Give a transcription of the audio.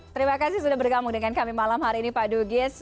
terima kasih sudah bergabung dengan kami malam hari ini pak dugis